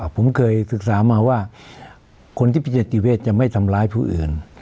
ผมเคยศึกษามาว่าคนที่พิจิตเวทจะไม่ทำร้ายผู้อื่น